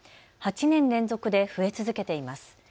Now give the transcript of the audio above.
８年連続で増え続けています。